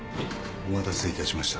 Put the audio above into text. お待たせいたしました。